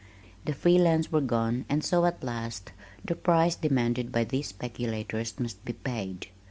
The free lands were gone and so, at last, the price demanded by these speculators must be paid.